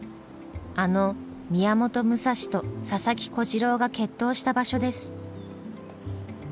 あの宮本武蔵と佐々木小次郎が決闘した場所です。